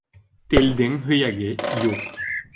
Телдең һөйәге юҡ.